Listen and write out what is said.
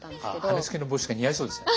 羽根つきの帽子が似合いそうですよね。